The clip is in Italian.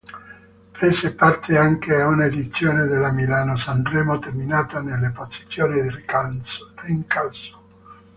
Prese parte anche a una edizione della Milano-Sanremo terminata nelle posizioni di rincalzo.